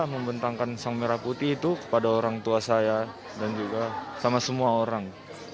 membentangkan sang merah putih itu kepada orang tua saya dan juga sama semua orang